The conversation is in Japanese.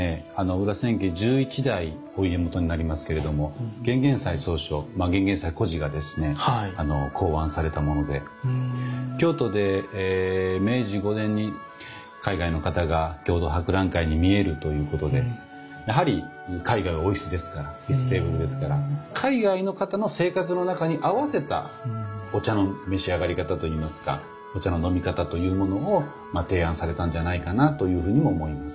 裏千家十一代お家元になりますけれども玄々斎宗匠玄々斎居士がですね考案されたもので京都で明治５年に海外の方が京都博覧会に見えるということでやはり海外はお椅子ですから椅子テーブルですから海外の方の生活の中に合わせたお茶の召し上がり方といいますかお茶の飲み方というものを提案されたんじゃないかなというふうにも思います。